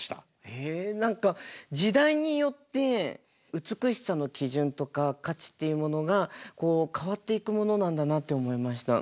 へえ何か時代によって美しさの基準とか価値っていうものがこう変わっていくものなんだなって思いました。